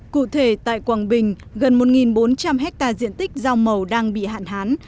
cụ thể tại quảng bình gần một bốn trăm linh hectare diện tích rau màu đang bị hạn hán